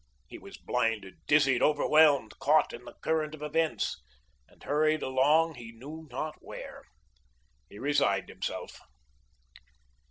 He was blinded, dizzied, overwhelmed, caught in the current of events, and hurried along he knew not where. He resigned himself.